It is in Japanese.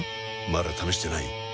まだ試してない？